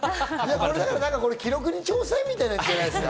これ、記録に挑戦みたいなやつじゃないですか？